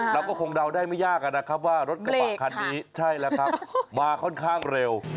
เราก็คงเดาได้ไม่ยากนะครับว่ารถกระบะคันนี้ใช่แล้วครับมาค่อนข้างเร็ว